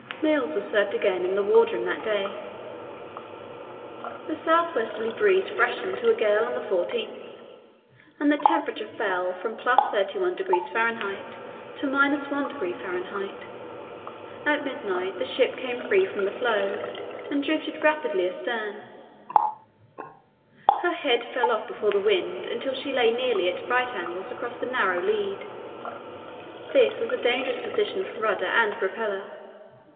Meals were served again in the wardroom that day. The south westerly breeze freshened to a gale on the 14th, and the temperature fell from +31° Fahr. to –1° Fahr. At midnight the ship came free from the floe and drifted rapidly astern. Her head fell off before the wind until she lay nearly at right angles across the narrow lead. This was a dangerous position for rudder and propeller.